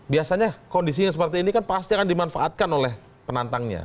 biasanya kondisinya seperti ini kan pasti akan dimanfaatkan oleh penantangnya